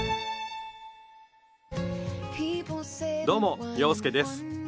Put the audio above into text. どうも洋輔です。